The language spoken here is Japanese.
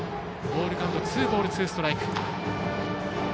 ボールカウントはツーボールツーストライク。